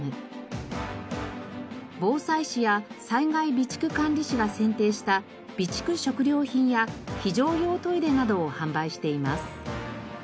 防災士や災害備蓄管理士が選定した備蓄食糧品や非常用トイレなどを販売しています。